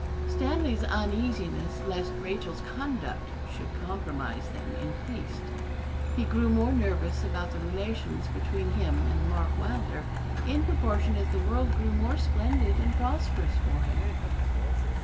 Stanley's uneasiness lest Rachel's conduct should compromise them increased. He grew more nervous about the relations between him and Mark Wylder, in proportion as the world grew more splendid and prosperous for him.